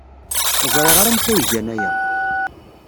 Ur ẓriɣ ara amek ay gan aya.